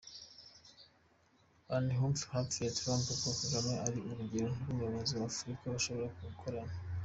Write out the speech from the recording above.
Inhofe yabwiye Trump ko Kagame ari urugero rw’umuyobozi wa Afurika bashobora gukorana.